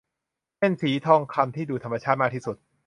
เป็นสีทองคำที่ดูธรรมชาติมากที่สุด